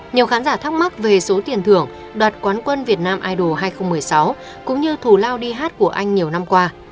nhiều khán giả thắc mắc về số tiền thưởng đoạt quán quân việt nam idol hai nghìn một mươi sáu cũng như thù lao đi hát của anh nhiều năm qua